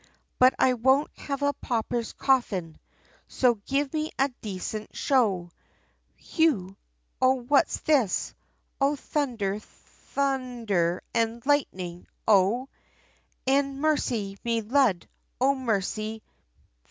But I won't have a pauper's coffin! so give me a decent show Whew! eh what's this? O thunder thun un der and lightning Oh! Ah! mercy me Lud! O mercy!